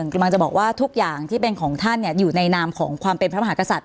กำลังจะบอกว่าทุกอย่างที่เป็นของท่านอยู่ในนามของความเป็นพระมหากษัตริย